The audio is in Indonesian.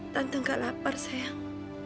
tentu gak lapar sayang